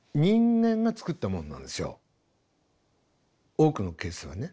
多くのケースはね。